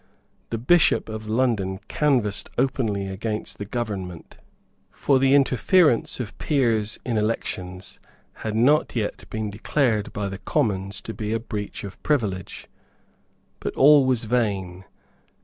The Bishop of London canvassed openly against the government; for the interference of peers in elections had not yet been declared by the Commons to be a breach of privilege. But all was vain.